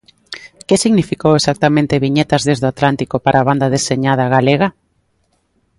Que significou exactamente Viñetas desde o Atlántico para a banda deseñada galega?